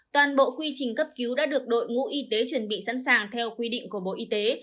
toàn bộ quy trình cấp cứu đã được đội ngũ y tế chuẩn bị sẵn sàng theo quy định của bộ y tế